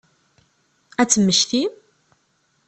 Ad temmektim?